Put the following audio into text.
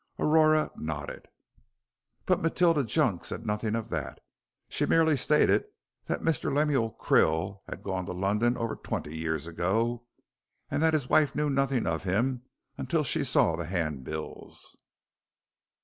Aurora nodded. "But Matilda Junk said nothing of that. She merely stated that Mr. Lemuel Krill had gone to London over twenty years ago, and that his wife knew nothing of him until she saw the hand bills."